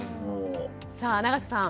さあ永瀬さん